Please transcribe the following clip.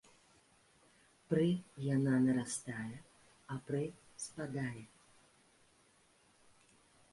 Пры яна нарастае, а пры спадае.